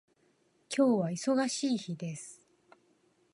今日は忙しい日です